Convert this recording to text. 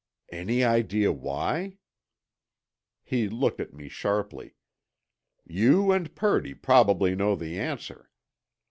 "Any idea why?" He looked at me sharply. "You and Purdy probably know the answer.